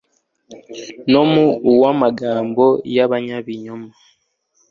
no mu uw'amagambo y'abanyabinyoma